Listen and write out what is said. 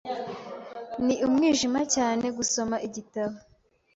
Ni umwijima cyane gusoma igitabo.